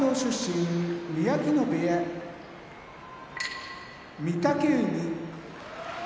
宮城野部屋御嶽海